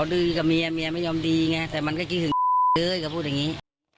ดื้อกับเมียไม่ยอมดีไงแต่มันก็คือเหงื่อเด้ยก็พูดอย่างนี้